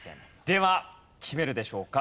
では決めるでしょうか？